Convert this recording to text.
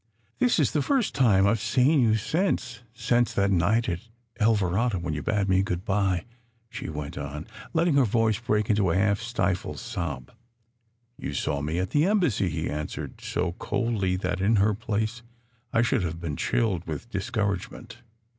"This is the first time I have seen you since since that night at Alvarado when you bade me good bye, " she wenf on, letting her voice break into a half stifled sob. "You saw me at the Embassy," he answered, so coldly that, in her place, I should have beeen chilled with dis couragement.